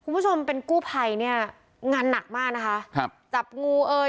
คุณผู้ชมเป็นกู้ภัยเนี่ยงานหนักมากนะคะครับจับงูเอ่ย